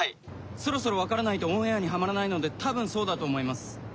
そろそろ分からないとオンエアにハマらないので多分そうだと思います。